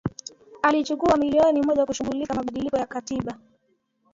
alichukua milioni moja kushughulikia mabadiliko ya katiba